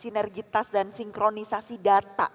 sinergitas dan sinkronisasi data